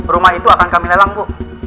rumah itu akan kami lelang bu